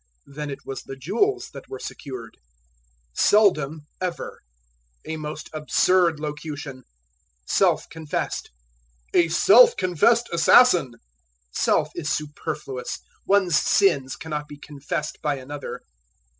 Then it was the jewels that were secured. Seldom ever. A most absurd locution. Self confessed. "A self confessed assassin." Self is superfluous: one's sins cannot be confessed by another.